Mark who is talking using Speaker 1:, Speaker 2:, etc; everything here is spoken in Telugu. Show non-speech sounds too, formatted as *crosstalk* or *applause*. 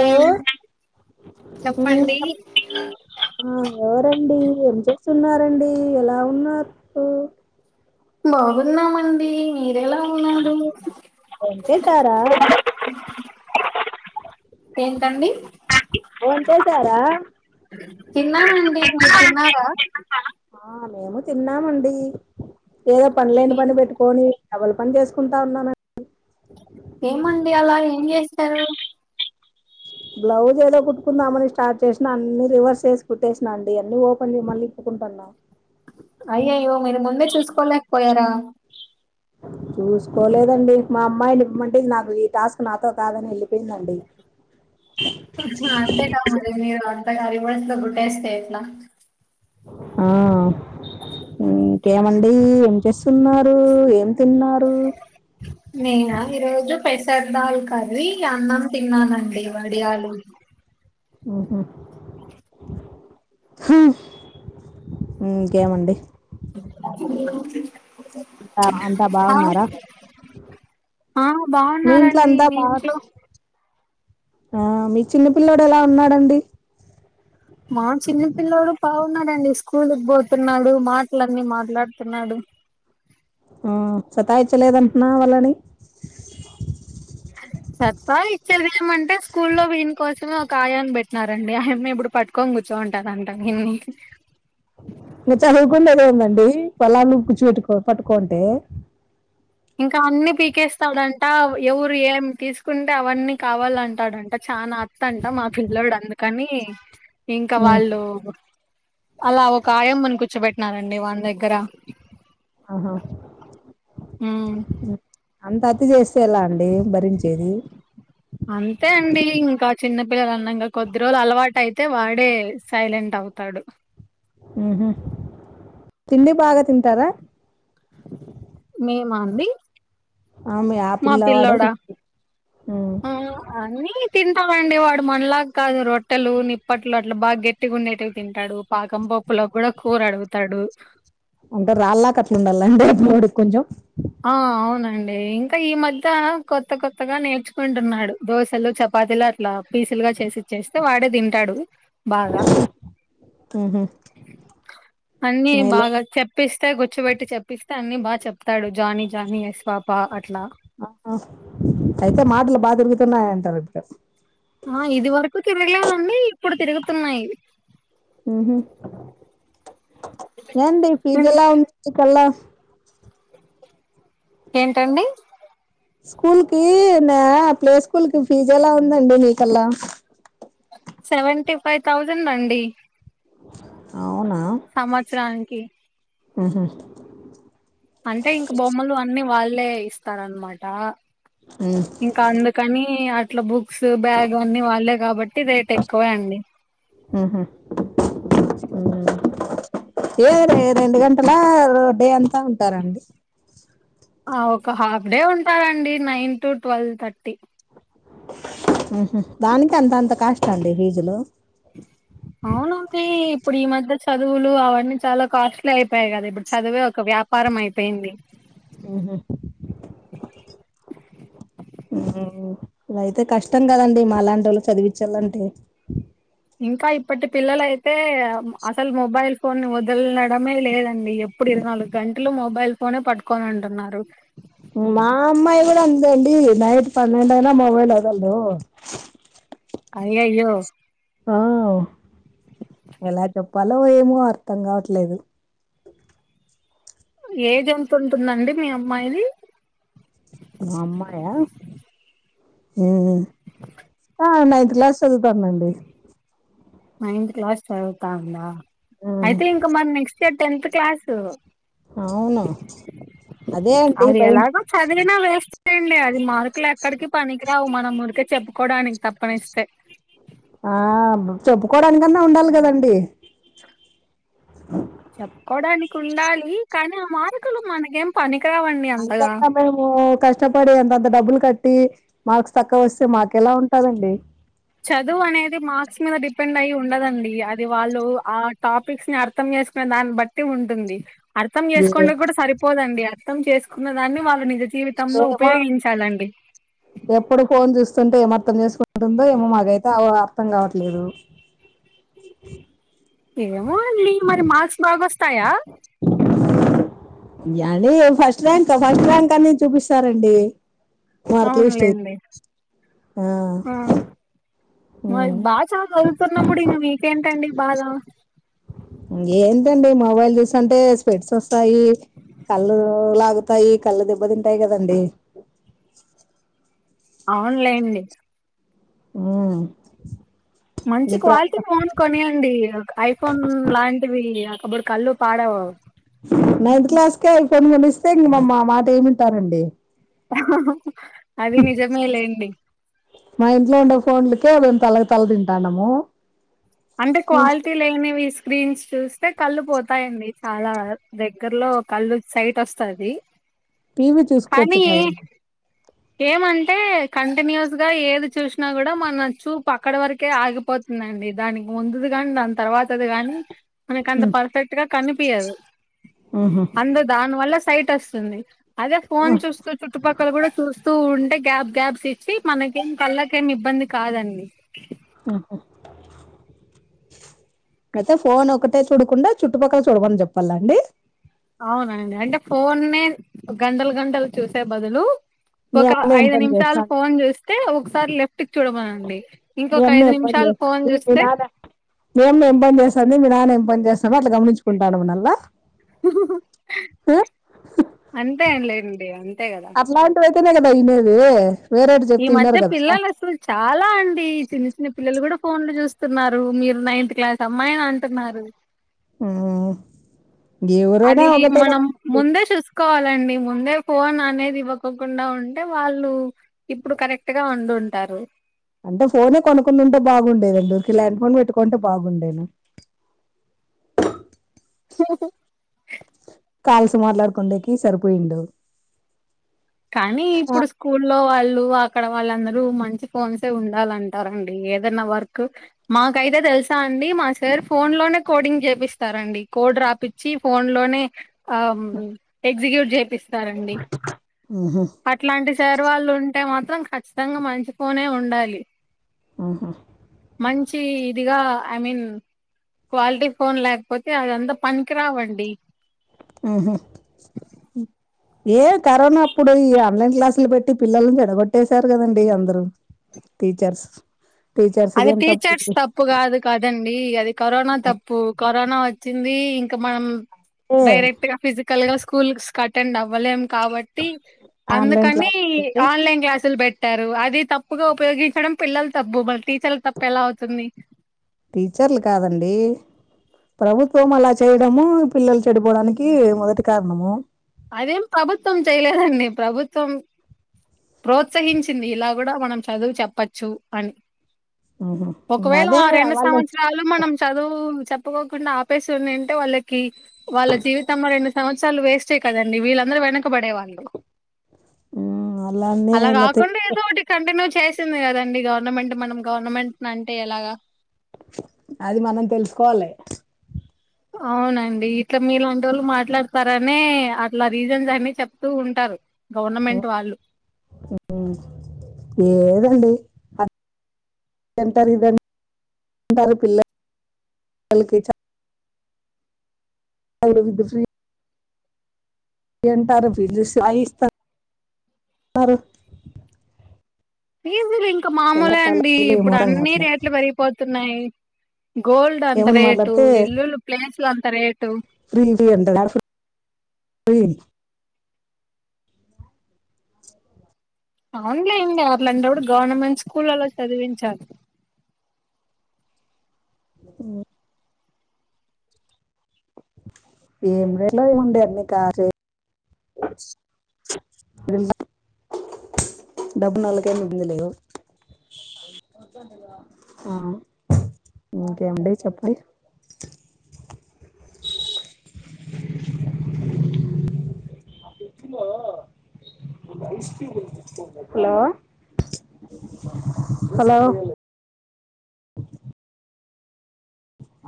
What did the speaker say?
Speaker 1: ఆ
Speaker 2: హు
Speaker 1: చెప్పండి
Speaker 2: ఆ ఎవరండి ఏం చేస్తున్నారండి ఎలా ఉన్నారు
Speaker 1: బాగున్నామండి మీరెలా ఉన్నారు
Speaker 2: బొంచేశారా
Speaker 1: ఏంటండి
Speaker 2: బొంచేశారా
Speaker 1: తిన్నామండి మీరు తిన్నారా
Speaker 2: ఆ మేము తిన్నామండి ఏదో పని లేని
Speaker 1: ఏం
Speaker 2: పని పెట్టుకొని డబుల్ పని చేసుకుంటా ఉన్నానన్ అ
Speaker 1: ఏమండి అలా ఏం చేస్తారు
Speaker 2: బ్లౌజ్ ఏదో కుట్టుకుందామని స్టార్ట్ చేసినా అన్ని రివర్స్ చేసి కుట్టేసిన అండి అన్ని ఓపెన్ చేసి మళీ ఇప్పుకుంటున్నా
Speaker 1: అయ్యయ్యో మీరు ముందే చూసుకోలేకపోయారా
Speaker 2: చూసుకోలేదండి మా అమ్మాయిని ఇప్పమంటే నాకు ఈ టాస్క్ నాతో కాదని వెళ్ళిపోయిందండి
Speaker 1: అంతేగా మరి మీరు అంతగా రివర్సులో కుట్టేస్తే ఎట్లా
Speaker 2: ఆ ఇంకేమండి చేస్తున్నారు ఏం తిన్నారు
Speaker 1: నేనా ఈ రోజు పెసర్ దాల్ కర్రీ అన్నం తిన్నానండి వడియాలు
Speaker 2: హ్మ్ హు
Speaker 1: *inaudible*
Speaker 2: కేమండి అంతా అంతా
Speaker 1: ఆ
Speaker 2: బాగున్నారా
Speaker 1: ఆ
Speaker 2: మీ ఇంట్లో
Speaker 1: బాగున్నారండి
Speaker 2: అంతా
Speaker 1: మీ
Speaker 2: బాగు
Speaker 1: ఇంట్లో
Speaker 2: ఆ మీ చిన్న పిల్లడు ఎలా ఉన్నాడండి
Speaker 1: మా చిన్న పిల్లడు బాగున్నాడండి స్కూల్కి పోతున్నాడు మాటలన్ని మాట్లాడుతున్నాడు.
Speaker 2: మ్మ్ సతాయిచ్చలేదంటున్నా వాళ్ళని
Speaker 1: సత్తా ఇచ్చేది ఏమంటే స్కూల్లో వీని కోసమే ఒక ఆయాన్ని పెట్టినారండి అయమ్మ ఇప్పుడు పట్ పట్టుకొని కూర్చొని ఉంటదందా విడ్ని
Speaker 2: ఇంక చదువుకునేద్ ఎందండీ తెల్లర్లు కూర్చిపెట్టు పట్టుకొనుంటే
Speaker 1: ఇంకా అన్ని పీకేస్తాడంట ఎవరు ఏం తీసుకుంటే అవన్నీ కావాలంటాడంట. చాలా అత్తంట మా పిల్లడు అందుకని ఇంకా
Speaker 2: ఉమ్
Speaker 1: వాళ్ళు అలా ఒక ఆయమని కూర్చోపెట్టినారండి వాని దగ్గర
Speaker 2: ఆహా
Speaker 1: ఉమ్
Speaker 2: అంత అతి చేస్తే ఎలా అండి భరించేది
Speaker 1: అంతే అండి ఇంకా చిన్న పిల్లలు అన్నక కొద్ది రోజులు అలవాటయితే వాడే సైలెంట్ అవుతాడు.
Speaker 2: ఉహ్ తిండి బాగా తింటాడ
Speaker 1: మే మాంబి
Speaker 2: ఆ మీ ఆ పిల్లవాడు హ్మ్
Speaker 1: ఆ అన్నీ తింటాడండి వాడు మనలాగ కాదు రొట్టెలు నిప్పట్లు అట్లా బాగా గట్టిగుండేటవి తింటాడు. పాకం పోప్పులో కూడా కూర అడుగుతాడు.
Speaker 2: అంటే రాళ్ళక అట్లా ఉండాలండి మీ వోడిక్ కొంచెం
Speaker 1: ఆ అవునండి ఇంకా ఈ మధ్య కొత్త కొత్తగా నేర్చుకుంటున్నాడు దోశలు చపాతీలు అట్లా పీసుల్ గా చేసి ఇచ్చేస్తే వాడే తింటాడు బాగా
Speaker 2: ఊహు
Speaker 1: అన్నీ
Speaker 2: మేలే
Speaker 1: బాగా చెప్ చెప్పిస్తే గుర్చ్చుబెట్టి చెప్పిస్తే అన్ని బాగా చెప్తాడు జానీ జానీ ఎస్ పాప అట్లా
Speaker 2: ఆ అయితే మాటలు బాగా తిరుగుతున్నాయంటారు ఇంక
Speaker 1: ఆ ఇది వరకు తిరగలేదండి ఇప్పుడు తిరుగుతున్నాయి
Speaker 2: ఎండి
Speaker 1: హ్మ్.
Speaker 2: ఫీజుఎలా ఉంది మీ కల్లా
Speaker 1: ఏంటండి
Speaker 2: స్కూల్ కి నె ప్లే స్కూల్ కి ఫీజ్ ఎలా ఉందండి నీకలా
Speaker 1: సేవేంటీ ఫైవ్ థౌజండ్ అండి
Speaker 2: అవునా
Speaker 1: సంవత్సరానికి
Speaker 2: ఉ హుమ్
Speaker 1: అంటే ఇంక బొమ్మలు అన్ని వాళ్ళే ఇస్తారనమాట
Speaker 2: హ్మ్
Speaker 1: ఇంకా అందుకని అట్లా బుక్స్ బ్యాగు అన్ని వాళ్ళే కాబట్టి రేట్ ఎక్కువే అండి
Speaker 2: ఊహ్మ్ ఏ రెండు గంటల డే అంతా ఉంటారండి
Speaker 1: ఆ ఒక హాఫ్ డే ఉంటారండి నైన్ టు ట్వెల్వ్ థర్టీ
Speaker 2: హ్మ్ దానికి అంత అంత కాష్ట అండి ఫీజులు
Speaker 1: అ అవునంది ఇప్పుడు ఈ మధ్య చదువులు అవన్నీ చాలా కాస్ట్లీ అయిపోయాయి కదా ఇప్పుడు చదువే ఒక వ్యాప్ పరమైపోయింది
Speaker 2: ఊహు ఇదైతే కష్టం గదండి మాలాంటోళ్ళు చదివిచ్చలంటే
Speaker 1: ఇంకా ఇప్పటి పిల్లలైతే అసలు మొబైల్ ఫోన్ని వదల్నడమే లేదండి ప్పుడు ఇరవై నాలుగు గంటలు మొబైల్ ఫోనే పట్టుకోనుంటున్నారు
Speaker 2: మా అమ్మాయి గూడా అంతే అండి నైట్ పన్నెండైనా మొబైల్ వదలదు
Speaker 1: అయ్యాయో
Speaker 2: ఆ ఎలా చెప్పాలో ఏమో అర్థం కావట్లేదు
Speaker 1: ఏజ్ ఎంతుంటుందండి మీ అమ్మాయ్యిది
Speaker 2: మా అమ్మాయ ఉమ్ నైన్త్ క్లాస్ చదువుతాందండి
Speaker 1: నైన్త్ క్లాస్ చదువుతా ఉందా
Speaker 2: మ్మ్
Speaker 1: అయితే ఇంక మరి నెక్స్ట్ ఇయర్ టెన్త్ క్లాసు
Speaker 2: అవును అదే అండీ భైము
Speaker 1: చదవినా వేస్త్ లేండి అది మార్కులు ఎక్కడికి పనికి రావు మన ముడికే చెప్పుకోవడానికి తప్పనిస్తే
Speaker 2: ఆ చెప్పుకోవడానికన్నా ఉండాలి గదండి
Speaker 1: చెప్పుకోడానికి ఉండాలి కానీ ఆ మార్కులు మనకేం పనికిరావండి
Speaker 2: అన్
Speaker 1: అంతగా
Speaker 2: చెప్పలేం కష్టపడి అంతంత డబ్బులు కట్టి మార్క్స్ తక్కువ వస్తే మాకెలా ఉంటాదండి
Speaker 1: చదువు అనేది మార్క్స్ మీద డిపెండ్ అయి ఉండదండి అది వాళ్ళు ఆ టాపిక్స్ ని అర్ చేసుకునే దాన్ని బట్టి ఉంటుంది అర్థం
Speaker 2: ఏ
Speaker 1: చేసుకోండేద్ గూడా సరిపోదండి అర్థం చేసుకున్న దాన్ని వాళ్ళు నిజ జీవితంలో
Speaker 2: ఏమో
Speaker 1: ఉపయోగించాలండి
Speaker 2: ఎప్పుడు ఫోన్ చూస్తుంటే ఏమర్థం చేసుకుంటుందో ఏమో మాకైతే అర్థం కావట్లేదు
Speaker 1: ఏమో అండి మరి మార్క్స్ బాగొస్తాయా
Speaker 2: ఫస్ట్ ర్యాంక్ ఫస్ట్ ర్యాంక్ అని చూపిస్తారండి మార్క్ లిస్ట్ అయితే
Speaker 1: అవునులేండి
Speaker 2: ఆ
Speaker 1: ఆ మ బాచ చదువుతున్నప్పుడు ఇంగ మీకేంటండి బాధ
Speaker 2: ఏంటండి మొబైల్ చూసంటే స్పెడ్స్ వస్తాయి కళ్ళు లాగుతాయి కళ్ళు దెబ్బతింటాయి గదండి
Speaker 1: అవునులేండి
Speaker 2: మ్మ్
Speaker 1: మంచి క్వాలిటీ ఫోన్ కొనియండి ఐఫోన్ లాంటివి అప్పుడు కళ్ళు పాడవవు
Speaker 2: నైన్త్ క్లాస్ కే ఫోన్ కొనిస్తే ఇంక మా మాట ఏమింటారండి
Speaker 1: అది నిజమేలేండి
Speaker 2: మా ఇంట్లో ఉండే ఫోన్లకే మేము తలగ్ తల తింటానము
Speaker 1: అంటే క్వాలిటీ లేనివిస్ స్క్రీన్స్ చూస్తే కళ్ళు పోతాయండి చాలా దగ్గరలో కళ్ళు సైటొస్తాది
Speaker 2: టీవీ చూసుకోవచ్చు
Speaker 1: కానీ
Speaker 2: కదండి
Speaker 1: ఏమంటే కంటిన్యూస్ గా ఏది చూసినా గుడా మన చూపు అక్కడ వరకే ఆగిపోతుందండి. దానికి ముందుది గాని దాని తర్వాతది గానీ మనకంత పర్ఫెక్ట్ గా కనిపియదు
Speaker 2: ఆహా
Speaker 1: అందు దాని వల్ల సైట్ అస్తుంది అదే ఫోన్ చూస్తు చుట్టుపక్కల గూడా చూస్తూ ఉంటే గ్యాప్ గ్యాప్స్ ఇచ్చి మనకేం కళ్ళకేమి ఇబ్బంది కాదండి
Speaker 2: హాహు కతా ఫోన్ ఒకటే చూడకుండా చుట్టుపక్కల చూడమని చెప్పాలా అండి
Speaker 1: అవునండి అంటే ఫోన్నే గంటలు గంటలు చూసే బదులు
Speaker 2: మీ
Speaker 1: ఒక
Speaker 2: అమ్మ ఏం
Speaker 1: ఐదు
Speaker 2: పని
Speaker 1: నిమిషాలు
Speaker 2: చేస్తాంది
Speaker 1: ఫోన్ చూస్తే ఒకసారి లెఫ్ట్‌కి చూడమనండి
Speaker 2: మీ
Speaker 1: ఇంకొక
Speaker 2: అమ్మ
Speaker 1: ఐదు
Speaker 2: ఏం పని
Speaker 1: నిమిషాలు ఫోన్
Speaker 2: చేస్తాంది మీ
Speaker 1: చూస్తే
Speaker 2: నాన్న మీ అమ్మ ఏం పని చేస్తాంది మీ నాన్న ఏం పని చేస్తామో అట్లా గమనించుకుంటా ఉండాల్నా
Speaker 1: అంతే అంన్‌లేండి అంతే కదా
Speaker 2: ఇలాంటి వైతేనే కదా ఇనేది వేరేటి
Speaker 1: ఈ
Speaker 2: చెప్తే ఇనరు
Speaker 1: మధ్య
Speaker 2: కదా
Speaker 1: పిల్లలు అసలు చాలా అండి చిన్న చిన్న పిల్లలు కూడా ఫోన్లు చూస్తున్నారు మీరు నైన్త్ క్లాస్ అమ్మాయి అని అంటున్నారు
Speaker 2: ఉమ్మ్
Speaker 1: అది మనం
Speaker 2: కదండి
Speaker 1: ముందే చూసుకోవాలండి ముందే ఫోన్ అనేది ఇవ్వకొకుండా ఉంటే వాళ్ళు ఇప్పుడు కరెక్ట్‌గా ఉండుంటారు
Speaker 2: అంటే ఫోనే కొనకుండుంటే బాగుండేదండి ఉర్కే ల్యాండ్ ఫోన్ పెట్టుకుంటే బాగుండేను
Speaker 1: హ
Speaker 2: కాల్స్ మాట్లాడుకుండేకి సరిపోయిండు
Speaker 1: కానీ ఇప్పుడు స్కూల్లో వాళ్ళు అక్కడ వాళ్ళందరూ మంచి ఫోన్సే ఉండాలంటారండి ఏదైనా వర్క్ మాకైతే తెలుసా అండి మా సార్ ఫోన్లోనే కోడింగ్ చేపిస్తారండి కోడ్ రాపి చ్చి ఫోన్‌లోనే ఆ ఎగ్జిక్యూట్ చేపిస్తారండి
Speaker 2: మ్మ్ఉహ్మ్
Speaker 1: అట్లాంటి సార్ వాళ్ళు ఉంటే మాత్రం ఖచ్చితంగా మంచిఫోనే ఉండాలి
Speaker 2: ఆహా
Speaker 1: మంచి ఇదిగా ఐ మీన్ క్వాలిటీ ఫోన్ లేకపోతే అదంతా పనికి రావండి
Speaker 2: మ్మ్ఉహ్మ్ ఏ కరోనా అప్పుడు ఈ ఆన్లైన్ క్లాసులు పెట్టి పిల్లలను చెడగొట్టేశారు కదండి అందరుూ టీచర్స్
Speaker 1: అది
Speaker 2: ఇది ఏం
Speaker 1: టీచర్స్
Speaker 2: తప్పు
Speaker 1: త ప్పు కాదు కదండి అది కరోనా తప్పు కరోనా వచ్చింది ఇంక మనం
Speaker 2: ఏ
Speaker 1: డైరెక్ట్‌గా ఫిజికల్‌గా స్కూల్స్‌కి అటెండ్ అవ్వలేం కాబ ట్టి
Speaker 2: ఆన్లైన్
Speaker 1: అందుకని
Speaker 2: క్లాస్ పెట్టి
Speaker 1: ఆన్లైన్ క్లాసులు పె ట్టారు అది తప్పుగా ఉపయోగించడం పిల్లలు తప్పు మల్ల టీచర్లు తప్పు ఎలా అవుతుంది
Speaker 2: టీచర్లు కాదండి ప్రభుత్వం అలా చేయడము పిల్లలు చెడిపోవడానికి మొదటి కారణము
Speaker 1: అదేం ప్రభుత్వం చేయలేదండి ప్రభుత్వం ప్రోత్సహించింది ఇలా కూడా మనం చదువు చెప్పచ్చు అని
Speaker 2: ఉహు
Speaker 1: ఒకవేళ
Speaker 2: అదే
Speaker 1: ఆ రెండు
Speaker 2: వాళ్ళు
Speaker 1: సంవత్సరా లు మనం చదువు చెప్పకోకుండా ఆపేసి ఉనింటే వాళ్ళకి వాళ్ల జీవితమో రెండు సంవత్సరాలు వేస్టే కదండి వీళ్ళందరూ వెనకబడే వాళ్ళు
Speaker 2: ఉమ్ అలానే
Speaker 1: అలా
Speaker 2: ఇలా తె
Speaker 1: కాకుండా ఏదో ఒకటి కంటిన్యూ చేసింది కదండి గవర్నమెంట్ మనం గవర్నమెంట్‌ని అంటే ఎలాగా
Speaker 2: అది మనం తెలుసుకోవాలి
Speaker 1: అవునండి ఇట్లా మీలాంటోళ్ళు మాట్లాడతారనే అట్లా రీజన్స్ అన్ని చెప్తూ ఉంటారు గవర్నమెంట్ వాళ్ళు
Speaker 2: ఉమ్ ఏదండి అ దంటారు ఇదం *inaudible* టారు పిల్ల *inaudible* లకి చె అ వి ద్దు్ర్ వింటారు బిల్లు యిస్తారు అ ఇస్త
Speaker 1: ఫీజీలు ఇంకా
Speaker 2: ఎలా
Speaker 1: మామూలు
Speaker 2: కట్టాలో
Speaker 1: అండి
Speaker 2: ఏమో
Speaker 1: ఇప్పుడు
Speaker 2: అర్థం
Speaker 1: అన్ని
Speaker 2: కావట్లే
Speaker 1: రేట్లు పెరిగిపోతున్నాయి గోల్డ్ అంత
Speaker 2: ఏమని
Speaker 1: రేటు
Speaker 2: మాట్లాడితే
Speaker 1: ఇలులుు ప్లేస్లు అంత రేటు
Speaker 2: ఫ్రీ ఎంతీ ఫ్రీ
Speaker 1: అవునులే అండి అట్లంటపుడు గవర్నమెంట్ స్కూళ్లలో చదివించాలి
Speaker 2: హు ఏరేలో ఉండే అన్ని కా డబ్బు నోలుకైన ఇబ్బంది లేదు ఆ ఇంకేమండి చెప్పిడి హా హలో హలో ్